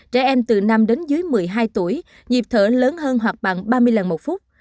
trẻ em từ năm đến dưới một mươi hai tuổi nhịp thở lớn hơn hoặc bằng ba mươi lần một phút